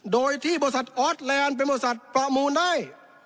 โดยที่บริษัทออสแลนด์เป็นบริษัทประมูลได้